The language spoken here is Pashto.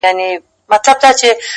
o چـي اخترونـه پـه واوښـتــل؛